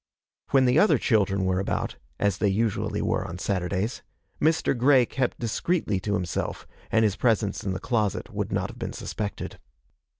When the other children were about, as they usually were on Saturdays, Mr. Grey kept discreetly to himself, and his presence in the closet would not have been suspected.